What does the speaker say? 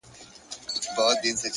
پوه انسان د زده کړې فرصت لټوي